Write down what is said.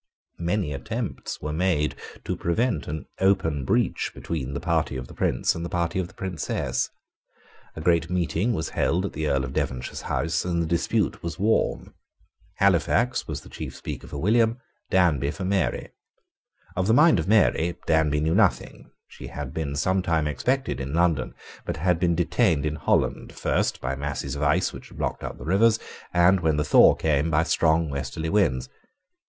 Many attempts were made to prevent an open breach between the party of the Prince and the party of the Princess. A great meeting was held at the Earl of Devonshire's House, and the dispute was warm. Halifax was the chief speaker for William, Danby for Mary. Of the mind of Mary Danby knew nothing. She had been some time expected in London, but had been detained in Holland, first by masses of ice which had blocked up the rivers, and, when the thaw came, by strong westerly winds.